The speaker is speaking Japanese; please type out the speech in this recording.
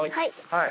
はい。